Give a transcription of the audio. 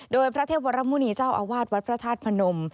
โดยพระเทพวรมุณีเจ้าอาวาสวัดพระธาตุพนม